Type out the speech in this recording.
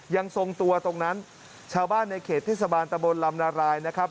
ยังทรงตัวตรงนั้นชาวบ้านในเขตเทศบาลตะบนลำนารายนะครับ